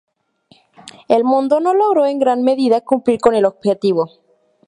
El mundo no logró en gran medida cumplir con el objetivo.